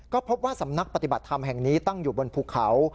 ก็พบว่าสำนักปฏิบัติธรรมแห่งนี้ตั้งอยู่บนภูเขา